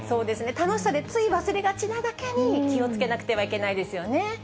楽しさでつい忘れがちなだけに、気をつけなくてはいけないですよね。